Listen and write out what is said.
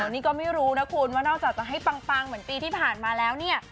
นี่ก็ไม่รู้นะคุณว่านอกจากจะให้ปังเหมือนปีที่ผ่านมาแล้วเนี่ย